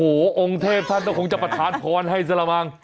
โอ้โหองค์เทพท่านก็คงจะประทานพรให้สละมัง